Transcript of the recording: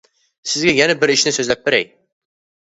سىزگە يەنە بىر ئىشنى سۆزلەپ بېرەي.